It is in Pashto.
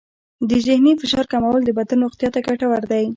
د ذهني فشار کمول د بدن روغتیا ته ګټور دی.